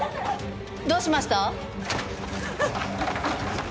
どうしました？